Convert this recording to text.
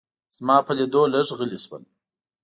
زما په لیدو لږ غلي شول.